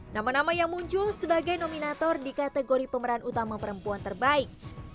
nama nama yang muncul sebagai nominator di kategori pemeran utama perempuan terbaik